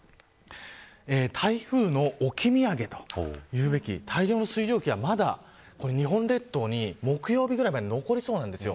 台風の置き土産と言うべき大量の水蒸気が、まだ日本列島に木曜日ぐらいまで残りそうなんです。